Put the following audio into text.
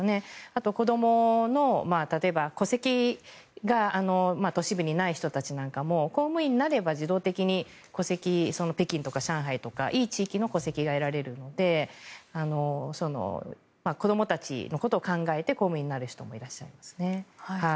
あと、子どもの例えば戸籍が都市部にない人たちなんかも公務員になれば自動的に戸籍、北京とか上海とかいい地域の戸籍が得られるので子どもたちのことを考えて公務員になる人もいらっしゃいます。